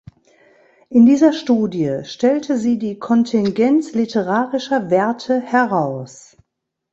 In dieser Studie stellte sie die Kontingenz literarischer "Werte" heraus.